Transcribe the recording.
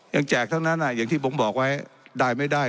แจกทั้งนั้นอย่างที่ผมบอกไว้ได้ไม่ได้